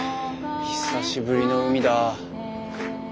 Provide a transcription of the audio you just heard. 久しぶりの海だ。